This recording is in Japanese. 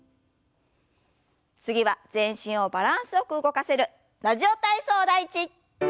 次は全身をバランスよく動かせる「ラジオ体操第１」。